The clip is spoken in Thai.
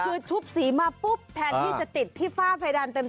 คือชุบสีมาปุ๊บแทนที่จะติดที่ฝ้าเพดานเต็ม